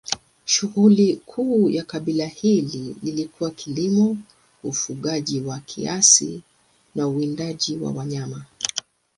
Shughuli kuu ya kabila hili ilikuwa kilimo, ufugaji kwa kiasi na uwindaji wa wanyama.